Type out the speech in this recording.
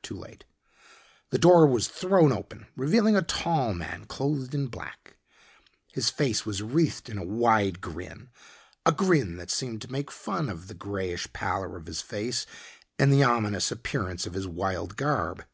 Too late. The door was thrown open revealing a tall man clothed in black. His face was wreathed in a wide grin a grin that seemed to make fun of the grayish pallor of his face and the ominous appearance of his wild garb.